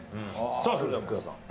さあそれでは福田さん。